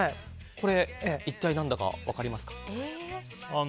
これ一体、何だか分かりますか？